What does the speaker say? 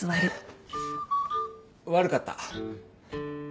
悪かった。